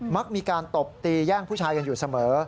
มักมีการตบตีแย่งผู้ชายกันอยู่เสมอ